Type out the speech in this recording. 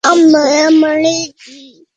Jeff, আপনাকে টিভিতে দেখাচ্ছে!